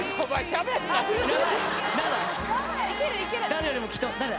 誰よりもきっと何だ？